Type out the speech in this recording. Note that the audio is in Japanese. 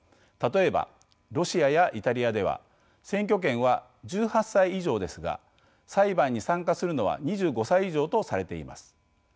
例えばロシアやイタリアでは選挙権は１８歳以上ですが裁判に参加するのは２５歳以上とされています。